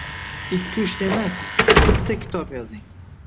Ikki-uchta emas, bitta kitob yozing.